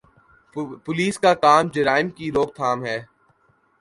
Police کا کام جرائم کی روک تھام ہے۔